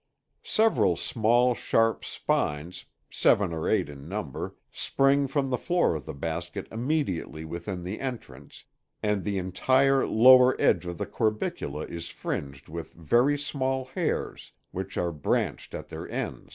Several small sharp spines, seven or eight in number, spring from the floor of the basket immediately within the entrance, and the entire lower edge of the corbicula is fringed with very small hairs which are branched at their ends.